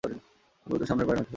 তিনি মূলত সামনের পায়ে খেলতেন।